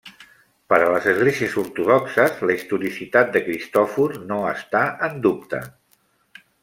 Per a les esglésies ortodoxes, la historicitat de Cristòfor no està en dubte.